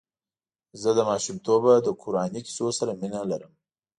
زه له ماشومتوبه له قراني کیسو سره مینه لرم.